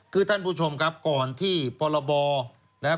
คือท่านผู้ชมครับก่อนที่พรบนะครับ